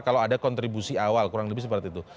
kalau ada kontribusi awal kurang lebih seperti itu